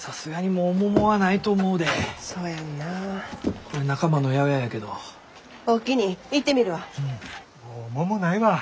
もう桃ないわ。